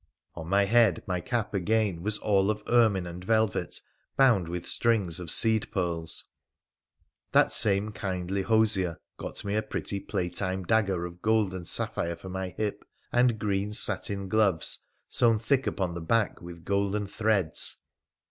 On my head, my cap, again, was all of ermine and velvet, bound with strings of seed pearls. That same kindly hosier got me a pretty playtime dagger of gold and sapphire for my hip, and green satin gloves, sewn thick upon the back with golden 138 WONDERFUL ADVENTURES OF threads.